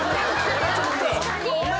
これちょっと。